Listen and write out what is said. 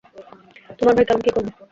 তোমার ভাইকে আমি কি করব?